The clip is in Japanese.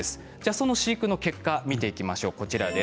その飼育の結果を見ていきましょう。